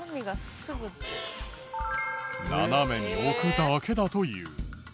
斜めに置くだけだという。